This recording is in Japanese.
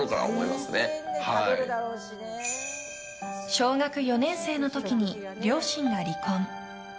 小学４年生の時に両親が離婚。